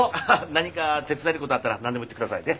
何か手伝えることあったら何でも言って下さいね。